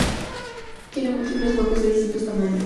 Tiene múltiples huecos de distinto tamaño.